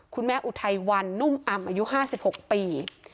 อุทัยวันนุ่มอำอายุ๕๖ปี